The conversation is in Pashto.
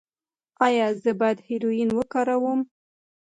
ایا زه باید هیرویین وکاروم؟